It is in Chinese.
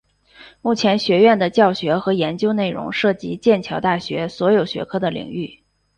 目前学院的教学和研究内容涉及剑桥大学所有学科的领域。